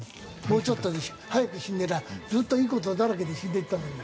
もうちょっと早く死んでりゃずっといい事だらけで死んでいったのに。